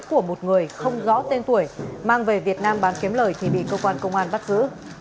của một người không rõ tên tuổi mang về việt nam bán kiếm lời thì bị cơ quan công an bắt giữ